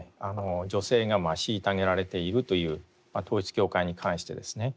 女性が虐げられているという統一教会に関してですね